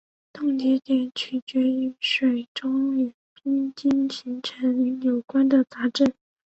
冻结点取决于水中与冰晶形成有关的杂质。